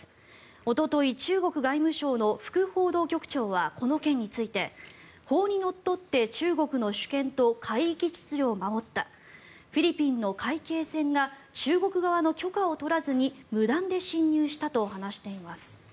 おととい中国外務省の副報道局長はこの件について法にのっとって中国の主権と海域秩序を守ったフィリピンの海警船が中国側の許可を取らずに無断で侵入したと話しています。